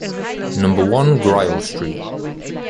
Number one, Grial street.